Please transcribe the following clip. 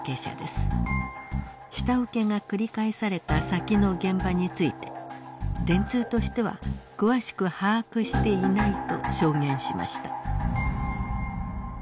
下請けが繰り返された先の現場について電通としては詳しく把握していないと証言しました。